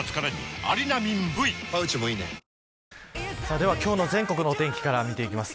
では今日の全国のお天気から見ていきます。